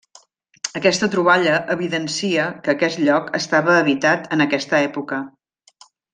Aquesta troballa evidencia que aquest lloc estava habitat en aquesta època.